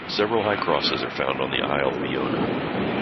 Several high crosses are found on the Isle of Iona.